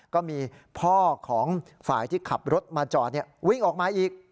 ก็มีพ่อของฝ่ายที่ขับรถมาจอดวิ่งออกมาอีก